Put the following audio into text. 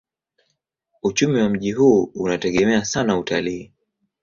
Uchumi wa mji huu unategemea sana utalii.